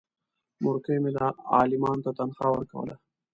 مورکۍ مې عالمانو ته تنخوا ورکوله.